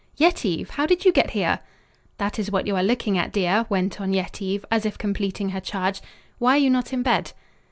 "Yetive! How did you get here?" "That is what you are looking at, dear," went on Yetive, as if completing her charge. "Why are you not in bed?"